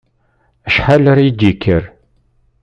Acḥal ara yi-d-yekker?